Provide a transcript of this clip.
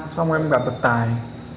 xong em gặp được tài